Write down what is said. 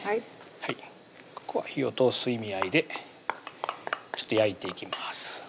はいここは火を通す意味合いでちょっと焼いていきます